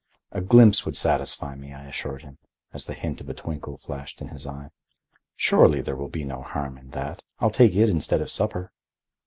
A glimpse would satisfy me I assured him, as the hint of a twinkle flashed in his eye. "Surely there will be no harm in that. I'll take it instead of supper."